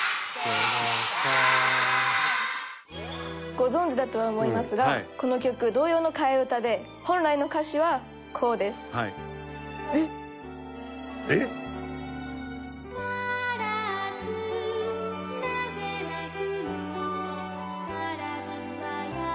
「ご存じだとは思いますがこの曲童謡の替え歌で本来の歌詞はこうです」えっ原曲知らない。